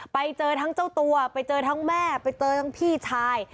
ไปเจอทั้งเจ้าตัวไปเจอทั้งแม่ไปเจอทั้งพี่ชาย